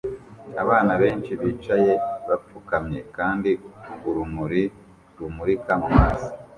Abana benshi bicaye bapfukamye kandi urumuri rumurika mu maso